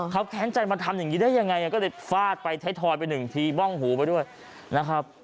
เขาแค้นใจมาทำอย่างนี้ได้ยังไงก็เลยฟาดไปไทยทอยไปหนึ่งทีบ้องหูไปด้วยนะครับ